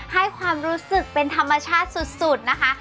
ให้ความรู้สึกเป็นธรรมชาติสุดนะคะ